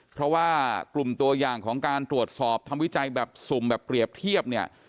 เพราะว่ากลุ่มตัวอย่างของการตรวจสอบทำวิจัยแบบสุ่มแบบเปรียบเทียบเนี่ย